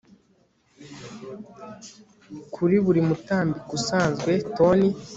kuri buri mutambiko usanzwe toni